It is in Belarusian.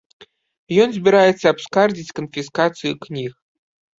Ён збіраецца абскардзіць канфіскацыю кніг.